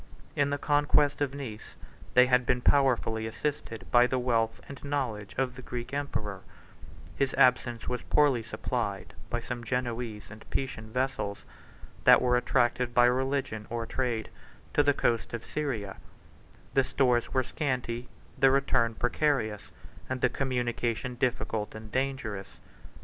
In the conquest of Nice, they had been powerfully assisted by the wealth and knowledge of the Greek emperor: his absence was poorly supplied by some Genoese and Pisan vessels, that were attracted by religion or trade to the coast of Syria: the stores were scanty, the return precarious, and the communication difficult and dangerous.